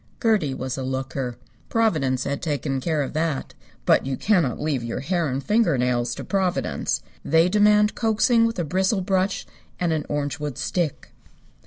Gertie was a looker. Providence had taken care of that. But you cannot leave your hair and finger nails to Providence. They demand coaxing with a bristle brush and an orangewood stick.